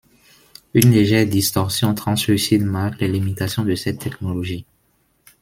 Une légère distorsion translucide marque les limitations de cette technologie.